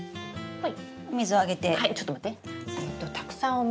はい。